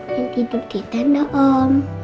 yang tidur di tenda om